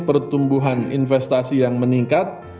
pertumbuhan investasi yang meningkat